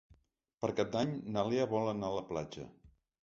Per Cap d'Any na Lea vol anar a la platja.